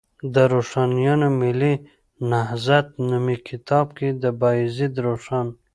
د روښانیانو ملي نهضت نومي کتاب کې، د بایزید روښان